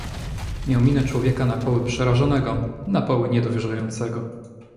"Miał minę człowieka na poły przerażonego, na poły niedowierzającego."